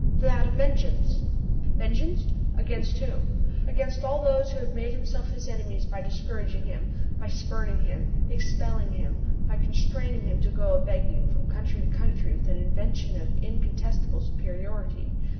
"That of vengeance!" "Vengeance? against whom?" "Against all those who have made themselves his enemies by discouraging him, by spurning him, expelling him, by constraining him to go a begging from country to country with an invention of incontestable superiority!